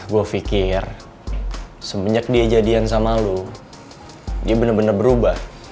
gue pikir semenjak dia jadian sama lo dia benar benar berubah